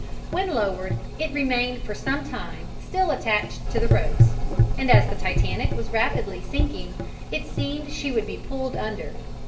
When lowered, it remained for some time still attached to the ropes, and as the Titanic was rapidly sinking it seemed she would be pulled under.